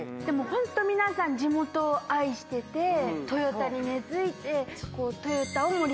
ホント皆さん地元を愛してて豊田に根付いてこう。